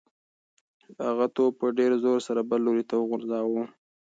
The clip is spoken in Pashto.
هغه توپ په ډېر زور سره بل لوري ته وغورځاوه.